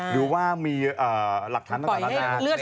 หรือว่ามีหลักฐานต่างนานา